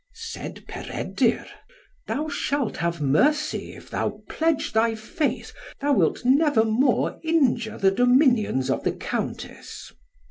Said Peredur, "Thou shalt have mercy, if thou pledge thy faith thou wilt never more injure the dominions of the Countess."